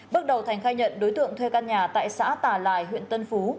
bước đầu thành khai nhận đối tượng thuê căn nhà tại xã tà lài huyện tân phú